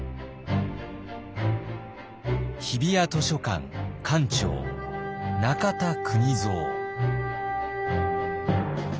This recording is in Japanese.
日比谷図書館館長中田邦造。